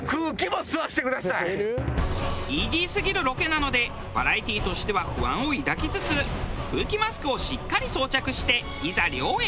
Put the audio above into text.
イージーすぎるロケなのでバラエティーとしては不安を抱きつつ空気マスクをしっかり装着していざ漁へ！